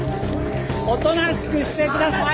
おとなしくしてください！